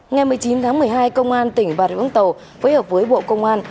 ngày một mươi chín tháng một mươi hai công an tỉnh bà rịa úng tàu phối hợp với bộ công an